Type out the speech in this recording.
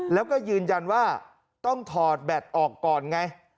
แล้วก็ยืนยันว่าต้องถอดแบตออกก่อนไง